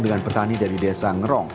dengan petani dari desa ngerong